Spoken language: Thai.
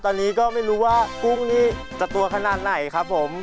ตอนนี้ก็ไม่รู้ว่ากุ้งนี่จะตัวขนาดไหนครับผม